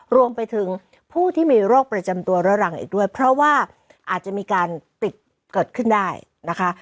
รวมไปถึงผู้ที่มีโรคประจำตัวเรื้อรังอีกด้วยเพราะว่าอาจจะมีการติดเกิดขึ้นได้นะคะ